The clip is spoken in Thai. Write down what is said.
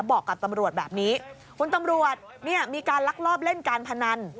บอกกับตำรวจแบบนี้คุณตำรวจเนี่ยมีการลักลอบเล่นการพนัน